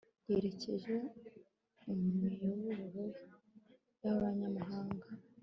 Yerekejwe mumiyoboro yabanyamahanga